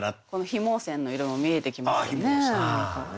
緋毛氈の色も見えてきますよね。